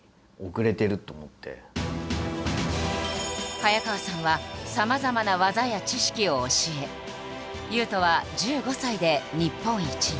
早川さんはさまざまな技や知識を教え雄斗は１５歳で日本一に。